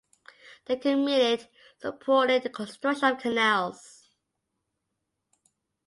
The committed supported the construction of canals.